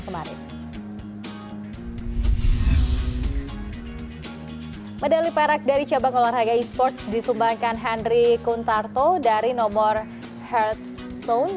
medali perak dari cabang olahraga e sports disumbangkan henry kuntarto dari nomor hearth stone